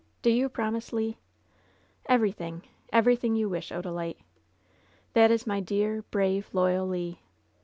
Do you promise^ Ler "Everything! Everything you wish, Odalite.'^ "That is my dear, brave, loyal Le !'